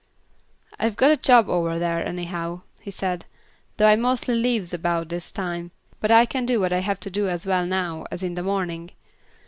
"I've got a job over there, anyhow," he said, "though I mostly leaves about this time, but I can do what I have to do as well now as in the morning."